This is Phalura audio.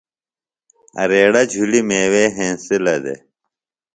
اریڑہ جُھلیۡ میوے ہنسِلہ دےۡ۔